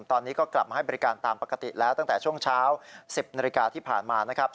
ตอนนี้ก็กลับมาให้บริการตามปกติแล้วตั้งแต่ช่วงเช้า๑๐นาฬิกาที่ผ่านมานะครับ